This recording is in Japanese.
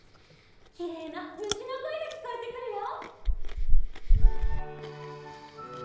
きれいなむしのこえがきこえてくるよ。